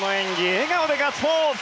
笑顔でガッツポーズ！